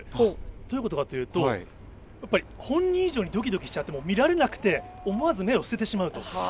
どういうことかというと本人以上にドキドキしちゃって見られなくて思わず目を伏せてしまうと。